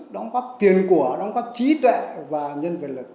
đóng góp tiền của đóng góp trí tuệ và nhân quyền lực